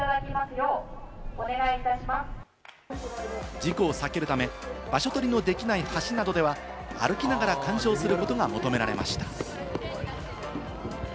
事故を避けるため、場所取りのできない橋などでは、歩きながら観賞することが求められました。